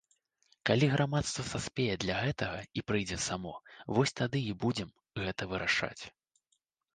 Калі грамадства саспее для гэтага і прыйдзе само, вось тады і будзем гэта вырашаць.